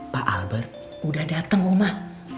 pak albert udah dateng omah